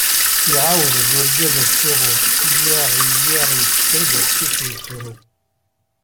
Iɛawed-d urgaz asuɣu: iyyaɣ, iyyaɣ, yekker-d uqcic, yettru.